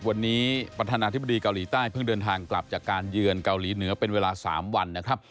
วันนี้ประธานาธิบดีเกาหลีใต้เพิ่งเดินทางกลับจากการเยือนเกาหลีเหนือเป็นเวลา๓วันนะครับ